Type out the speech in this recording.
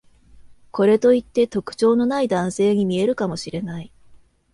これといって特徴のない男性に見えるかもしれない